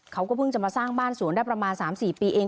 เขาก็เพิ่งจะมาสร้างบ้านสวนได้ประมาณ๓๔ปีเอง